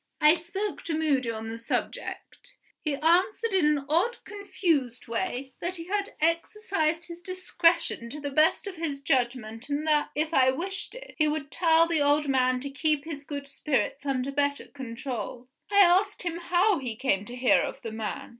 I spoke to Moody on the subject. He answered in an odd, confused way, that he had exercised his discretion to the best of his judgment and that (if I wished it), he would tell the old man to keep his good spirits under better control. I asked him how he came to hear of the man.